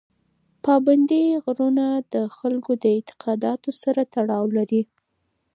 پابندي غرونه د خلکو له اعتقاداتو سره تړاو لري.